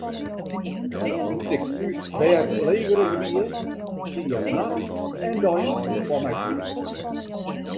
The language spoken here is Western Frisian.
Doe't ik thús bêdlegerich wie, stie er nachts en deis foar my klear.